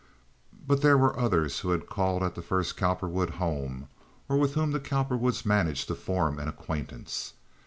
But there were others who had called at the first Cowperwood home, or with whom the Cowperwoods managed to form an acquaintance.